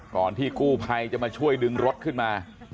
ที่กู้ภัยจะมาช่วยดึงรถขึ้นมา